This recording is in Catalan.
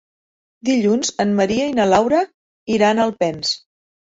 Dilluns en Maria i na Laura iran a Alpens.